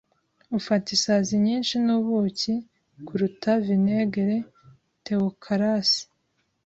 Ufata isazi nyinshi nubuki kuruta vinegere. (Tewokarasi)